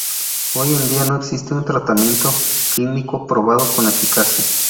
Hoy en día no existe un tratamiento clínico probado con eficacia.